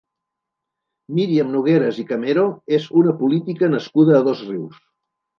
Míriam Nogueras i Camero és una política nascuda a Dosrius.